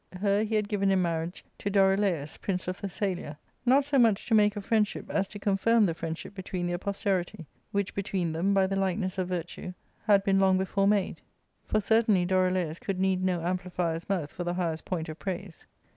Her he had given in marriage to Dorilaus, prince of Thessalia, not so much to make a friendship as to confirm the friendship between their posterity, which between them, by the likeness of virtue, had been long before made : for certainly Dorilaus could need no amplifier's mouth for the highest point of praise.